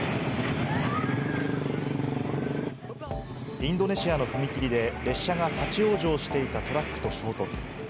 インドネシアの踏切で、列車が立ち往生していたトラックと衝突。